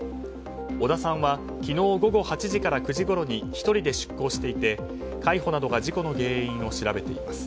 小田さんは、昨日午後８時から９時ごろに１人で出航していて海保などが事故の原因を調べています。